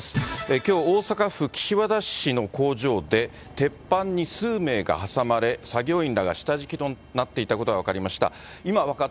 きょう、大阪府岸和田市の工場で、鉄板に数名が挟まれ、作業員らが下敷きとなっていたことが分かりました。